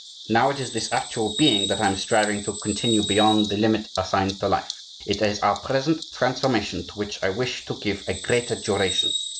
Now, it is this actual being that I am striving to continue beyond the limit assigned to life; it is our present transformation to which I wish to give a greater duration.